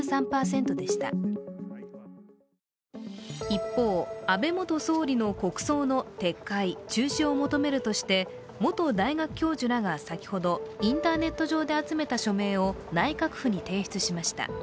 一方、安倍元総理の国葬の撤回・中止を求めるとして元大学教授らが先ほど、インターネット上で集めた署名を内閣府に提出しました。